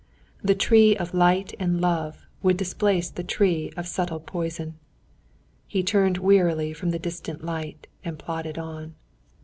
The tree of Light and Love, would displace the tree of subtle poison. He turned wearily from the distant light and plodded on.